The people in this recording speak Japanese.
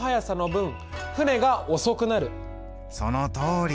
そのとおり。